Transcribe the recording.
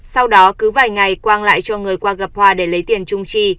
sau đó cứ vài ngày quang lại cho người qua gặp hoa để lấy tiền chung trì